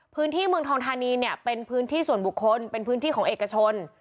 เมืองทองธานีเนี่ยเป็นพื้นที่ส่วนบุคคลเป็นพื้นที่ของเอกชน